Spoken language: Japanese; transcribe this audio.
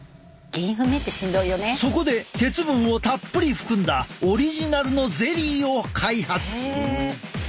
そこで鉄分をたっぷり含んだオリジナルのゼリーを開発。